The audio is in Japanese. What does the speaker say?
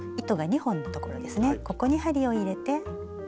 ここに針を入れて。